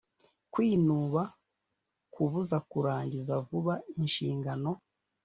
kwinuba kubuza kurangiza vuba inshingano